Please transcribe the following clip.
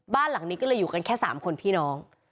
บ้านหลังนี้ก็เลยอยู่กันแค่๓คนพี่น้อง